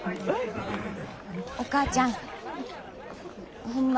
お母ちゃんホンマ